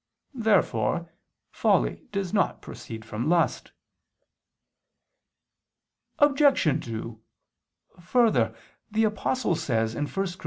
Therefore folly does not proceed from lust. Obj. 2: Further, the Apostle says (1 Cor.